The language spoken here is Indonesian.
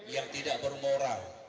yang tidak bermoral